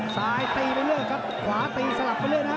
ซ้ายตีไปเรื่อยครับขวาตีสลับไปเรื่อยนะ